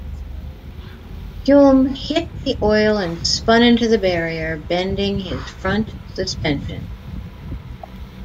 Hulme hit the oil and spun into the barrier, bending his front suspension.